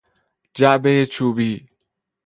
جعبهی چوبی